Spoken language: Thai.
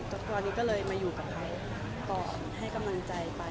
ตอนนี้ก็เลยมาอยู่กับเขาก่อนให้กำลังใจไป